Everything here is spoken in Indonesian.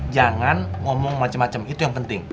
jangan ngomong macem macem itu yang penting